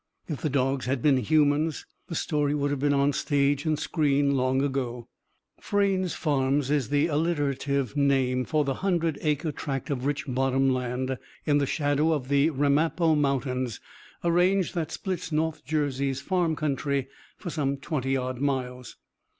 If the dogs had been humans, the story would have been on stage and screen long ago. Frayne's Farms is the alliterative name for the hundred acre tract of rich bottom land; in the shadow of the Ramapo Mountains, a range that splits North Jersey's farm country for some twenty odd miles.